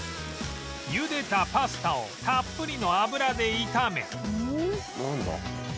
ゆでたパスタをたっぷりの油で炒めなんだ？